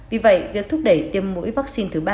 vì vậy việc thúc đẩy tiêm mũi vaccine thứ ba